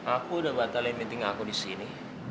aku udah batalin meeting aku di sini